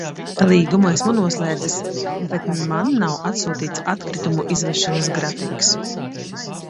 Līgumu esmu noslēdzis, bet man nav atsūtīts atkritumu izvešanas grafiks.